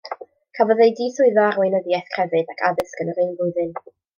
Cafodd ei diswyddo o'r Weinyddiaeth Crefydd ac Addysg yn yr un flwyddyn.